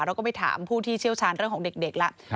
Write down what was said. เราก็ไปถามผู้ที่เชี่ยวชาญเรื่องของเด็กแล้ว